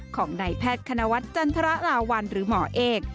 ของนายแพทย์คณวัฒน์จันทรราวัลหรือหมอเอก